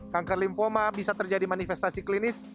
kanker lymphoma bisa terjadi manifestasi klinis